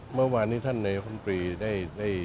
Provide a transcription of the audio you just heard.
เมื่อวานนี้ท่านนายคมปรีได้